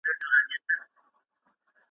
په اوسنیو پېړیو کي سیاست ډېر پرمختګ کړی دی.